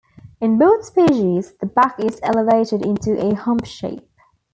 In both species, the back is elevated into a hump shape.